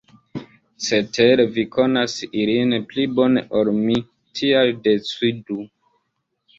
Cetere vi konas ilin pli bone ol mi, tial decidu.